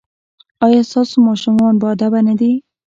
ایا ستاسو ماشومان باادبه نه دي؟